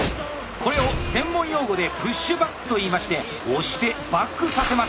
これを専門用語で「プッシュバック」と言いまして「押して」「バック」させます。